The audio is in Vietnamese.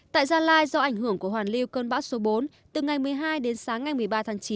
tại gia lai do ảnh hưởng của hoàn lưu cơn bão số bốn từ ngày một mươi hai đến sáng ngày một mươi ba tháng chín